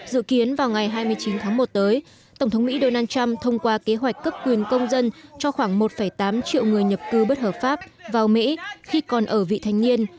dự kiến vào ngày hai mươi chín tháng một tới tổng thống mỹ donald trump thông qua kế hoạch cấp quyền công dân cho khoảng một tám triệu người nhập cư bất hợp pháp vào mỹ khi còn ở vị thanh niên